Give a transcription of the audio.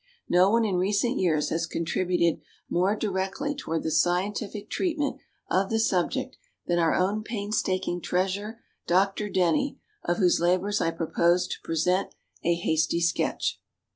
No one in recent years has contributed more directly toward the scientific treatment of the subject than our own painstaking Treasurer, Dr. DENNY, of whose labors I propose to present a hasty sketch.